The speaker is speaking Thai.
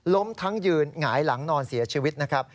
ทั้งยืนหงายหลังนอนเสียชีวิตนะครับ